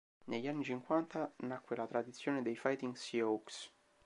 Negli anni cinquanta nacque la tradizione dei Fighting Sioux.